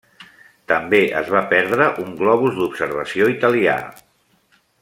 També es va perdre un globus d'observació italià.